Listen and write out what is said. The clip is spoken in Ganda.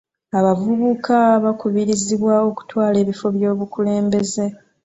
Abavubuka bakubirizibwa okutwala ebifo byobukulembeze.